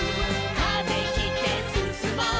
「風切ってすすもう」